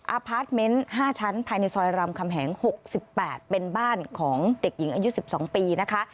พาร์ทเมนต์๕ชั้นภายในซอยรำคำแหง๖๘เป็นบ้านของเด็กหญิงอายุ๑๒ปีนะคะ